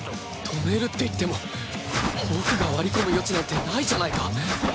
止めるっていっても僕が割り込む余地なんてないじゃないか。